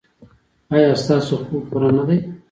ایا ستاسو خوب پوره نه دی؟